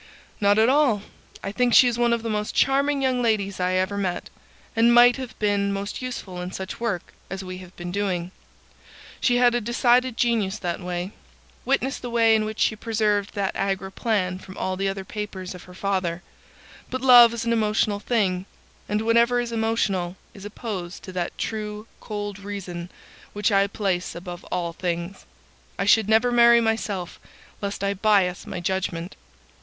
"Not at all. I think she is one of the most charming young ladies I ever met, and might have been most useful in such work as we have been doing. She had a decided genius that way: witness the way in which she preserved that Agra plan from all the other papers of her father. But love is an emotional thing, and whatever is emotional is opposed to that true cold reason which I place above all things. I should never marry myself, lest I bias my judgment."